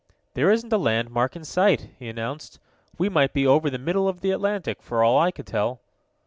"There isn't a landmark in sight," he announced. "We might be over the middle of the Atlantic, for all I could tell."